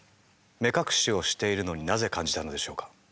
目隠しをしているのになぜ感じたのでしょうか？